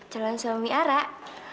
calon suami arak